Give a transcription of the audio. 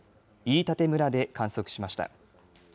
飯舘村で観測しました。